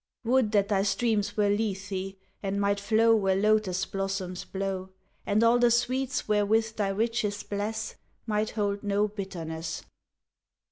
Would that thy streams were Lethe, and might flow Where lotus blossoms blow, And all the sweets wherewith thy riches bless Might hold no bitterness!